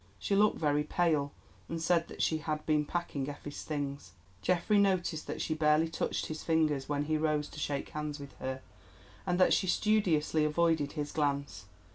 She looked very pale, and said that she had been packing Effie's things. Geoffrey noticed that she barely touched his fingers when he rose to shake hands with her, and that she studiously avoided his glance.